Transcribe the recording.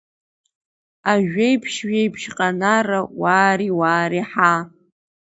Ажәеиԥшь Жәеиԥшьҟанара, уаари-уаари, ҳаа!